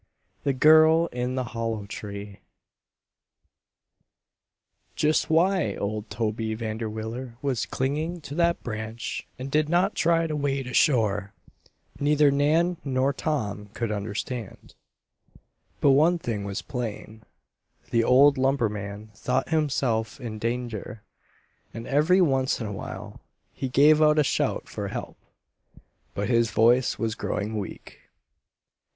THE GIRL IN THE HOLLOW TREE Just why old Toby Vanderwiller was clinging to that branch and did not try to wade ashore, neither Nan nor Tom could understand. But one thing was plain: the old lumberman thought himself in danger, and every once in a while he gave out a shout for help. But his voice was growing weak.